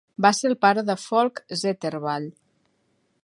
Va ser el pare de Folke Zettervall.